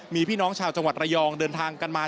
มีพี่น้องชาวจังหวัดระยองเดินทางกันมา